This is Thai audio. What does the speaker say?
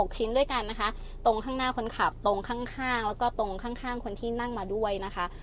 ชิ้นด้วยกันนะคะตรงข้างหน้าคนขับตรงข้างแล้วก็ตรงข้างคนที่นั่งมาด้วยนะคะ